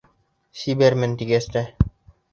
Сибәрмен тигәс тә...